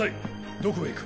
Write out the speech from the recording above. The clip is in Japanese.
どこへ行く？